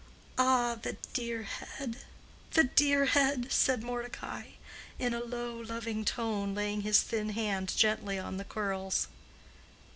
"Ah, the dear head, the dear head!" said Mordecai, in a low loving tone, laying his thin hand gently on the curls.